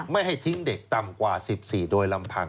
ไม่ให้ทิ้งเด็กต่ำกว่า๑๔โดยลำพัง